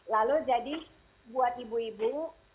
lalu jadi buat ibu ibu